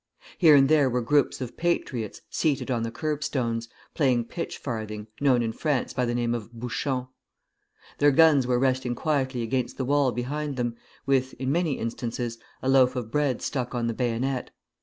Here and there were groups of "patriots" seated on the curbstones, playing pitch farthing, known in France by the name of "bouchon." Their guns were resting quietly against the wall behind them, with, in many instances, a loaf of bread stuck on the bayonet.